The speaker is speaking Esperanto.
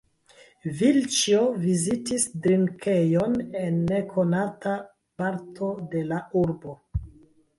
Vilĉjo vizitis drinkejon en nekonata parto de la urbo.